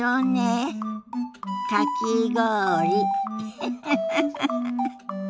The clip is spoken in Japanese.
フフフフ。